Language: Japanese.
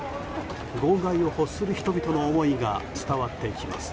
号外を欲する人々の思いが伝わってきます。